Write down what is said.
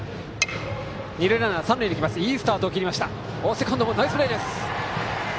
セカンド、ナイスプレーです。